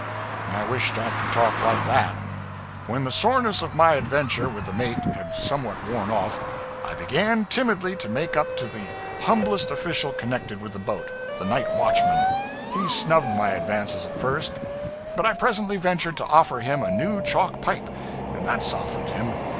I wished I could talk like that. When the soreness of my adventure with the mate had somewhat worn off, I began timidly to make up to the humblest official connected with the boat the night watchman. He snubbed my advances at first, but I presently ventured to offer him a new chalk pipe; and that softened him.